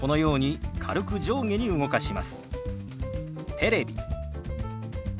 「テレビ」。